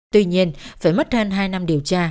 tuy nhiên phải mất hơn hai năm điều tra